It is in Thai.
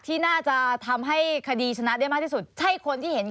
ที่น่าจะทำให้คดีชนะได้มากที่สุดใช่คนที่เห็น